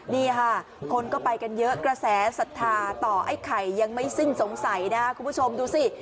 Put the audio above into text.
นี่ค่ะคนก็ไปกันเยอะกระแสสัทธาต่อไอ้ไข่ยังไม่สิ้นสงสัยนะครับคุณผู้ชมดูสิ